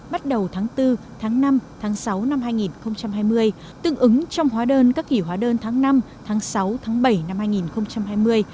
bắt đầu tháng bốn tháng năm tháng sáu năm hai nghìn hai mươi tương ứng trong hóa đơn các kỷ hóa đơn tháng năm tháng sáu tháng bảy năm hai nghìn hai mươi